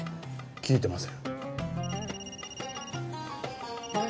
聞いてません。